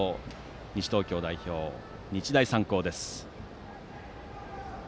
西東京代表の日大三高です。